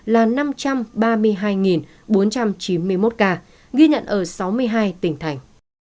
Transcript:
là năm trăm ba mươi hai bốn trăm chín mươi một ca ghi nhận ở sáu mươi hai tỉnh thành